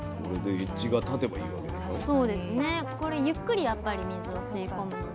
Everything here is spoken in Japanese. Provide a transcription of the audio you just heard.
これゆっくりやっぱり水を吸い込むので。